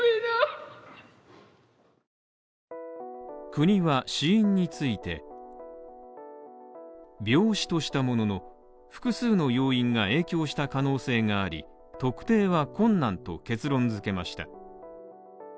国は死因について病死としたものの、複数の要因が影響した可能性があり、特定は困難と結論付けました。